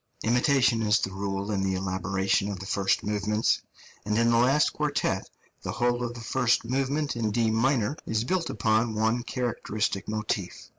Imitation is the rule in the elaboration of the first movements; and in the last quartet the whole of the first movement in D minor is built upon one characteristic motif.